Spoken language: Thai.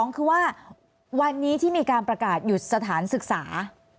คือว่าวันนี้ที่มีการประกาศหยุดสถานศึกษา